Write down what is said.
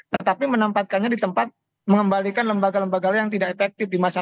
tetapi menempatkannya di tempat mengembalikan lembaga lembaga lain yang tidak efektif di masyarakat